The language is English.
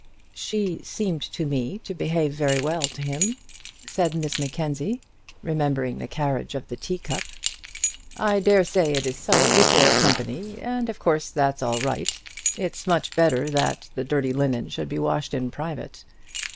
"She seemed to me to behave very well to him," said Miss Mackenzie, remembering the carriage of the tea cup. "I dare say it is so before company, and of course that's all right; it's much better that the dirty linen should be washed in private.